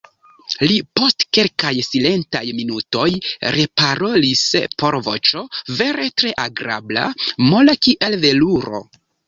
Li, post kelkaj silentaj minutoj, reparolis per voĉo vere tre agrabla, mola kiel veluro: